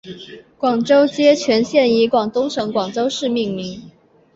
广州街全线以广东省广州市命名。